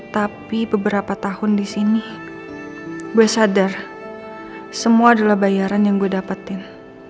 tapi beberapa tahun di sini gue sadar semua adalah bayaran yang gue dapatin